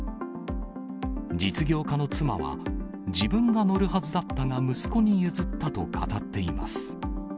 実業家の妻は、自分が乗るはずだったが息子に譲ったと語っています。